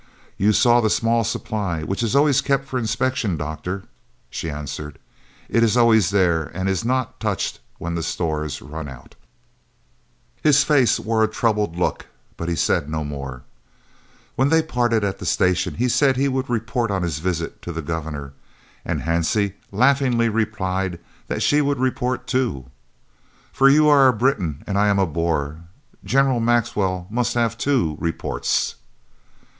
"You saw the small supply which is always kept for inspection, doctor," she answered. "It is always there and is not touched when the stores run out." His face wore a troubled look, but he said no more. When they parted at the station he said he would report on his visit, to the Governor, and Hansie laughingly replied that she would report too. "For you are a Briton and I am a Boer. General Maxwell must have two reports."